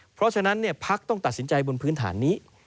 เพราะฉะนั้นพักต้องตัดสินใจบนพื้นฐานนี้